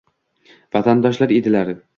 vatandoshlar edilar.